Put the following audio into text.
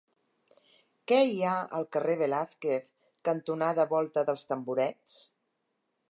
Què hi ha al carrer Velázquez cantonada Volta dels Tamborets?